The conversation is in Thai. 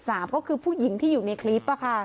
ก็คือผู้หญิงที่อยู่ในคลิป